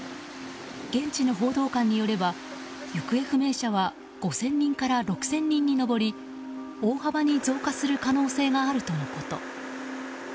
現地の報道官によれば行方不明者は５０００人から６０００人に上り大幅に増加する可能性があるとのこと。